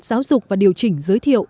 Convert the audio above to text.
giáo dục và điều chỉnh giới thiệu